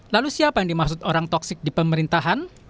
lalu siapa yang dimaksud orang toksik di pemerintahan